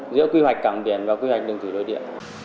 giữa quy hoạch cảng biển và quy hoạch đường thủy nội địa